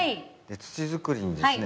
土づくりにですね